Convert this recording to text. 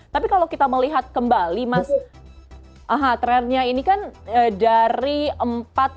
tapi kalau kita melihat kembali mas trendnya ini kan dari empat